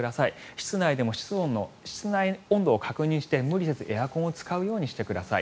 室内でも室内温度を確認して無理せずエアコンを使うようにしてください。